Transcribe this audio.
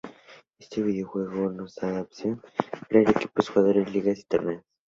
Este videojuego nos da la opción de crear equipos, jugadores, ligas y torneos.